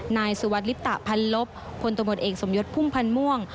นายสุวรรคลิปตะพันลบพลตมตเอกสมยศพุ่มพันม่วง